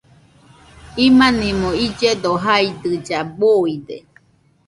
Imanimo illledo jaidɨlla, buide